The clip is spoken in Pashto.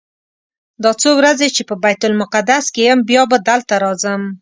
دا څو ورځې چې په بیت المقدس کې یم بیا به دلته راځم.